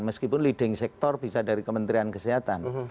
meskipun leading sector bisa dari kementerian kesehatan